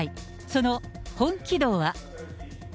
その本気度は。